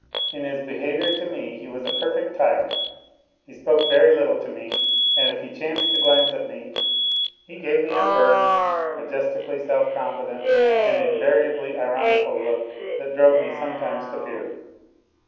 In his behaviour to me he was a perfect tyrant, he spoke very little to me, and if he chanced to glance at me he gave me a firm, majestically self confident and in variably ironical look that drove me sometimes to fury.